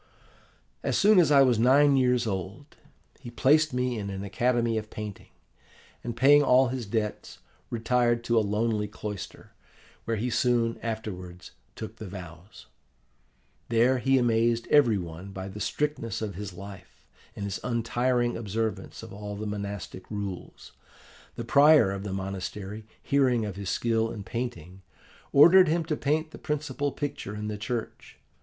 "As soon as I was nine years old, he placed me in an academy of painting, and, paying all his debts, retired to a lonely cloister, where he soon afterwards took the vows. There he amazed every one by the strictness of his life, and his untiring observance of all the monastic rules. The prior of the monastery, hearing of his skill in painting, ordered him to paint the principal picture in the church.